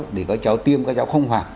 để các cháu tiêm các cháu không hoảng